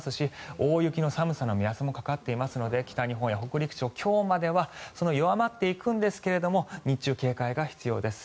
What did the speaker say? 大雪の寒さの目安もかかっていますので北日本や北陸地方、今日までは弱まっていくんですが日中、警戒が必要です。